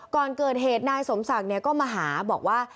ก่อนเกิดเหตุนายสมศักดิ์ก็มาหาบอกว่า